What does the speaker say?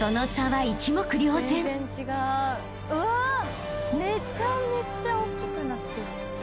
めちゃめちゃおっきくなってる。